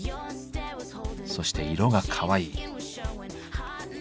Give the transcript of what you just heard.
そして色がかわいい。